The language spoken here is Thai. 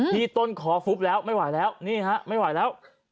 ที่ต้นคอฟุบแล้วไม่ไหวแล้วนี่ฮะไม่ไหวแล้ว